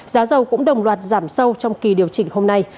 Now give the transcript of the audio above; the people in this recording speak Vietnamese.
giá dầu cũng đồng loạt giảm sâu trong kỳ điều chỉnh